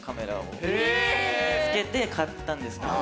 見つけて買ったんですけど。